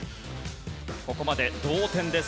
ここまで同点です。